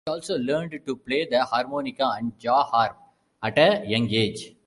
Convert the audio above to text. He also learned to play the harmonica and jaw harp at a young age.